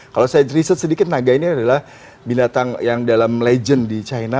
kalau saya riset sedikit naga ini adalah binatang yang dalam legend di china